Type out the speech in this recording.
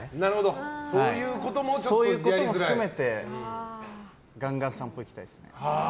そういうことも含めてガンガン散歩行きたいですね。